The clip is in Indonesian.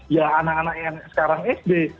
ya anak anak yang sekarang sd